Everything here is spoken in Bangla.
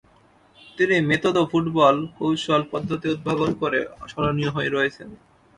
তিনি মেতোদো ফুটবল কৌশল পদ্ধতি উদ্ভাবন করে স্মরণীয় হয়ে রয়েছেন।